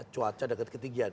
cuaca dekat ketinggian